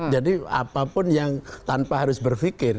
jadi apapun yang tanpa harus berfikir